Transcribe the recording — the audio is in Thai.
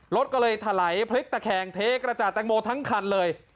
รถก็เลยถลายพลิกตะแคงเทกระจาดแตงโมทั้งคันเลย